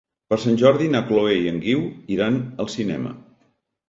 Per Sant Jordi na Chloé i en Guiu iran al cinema.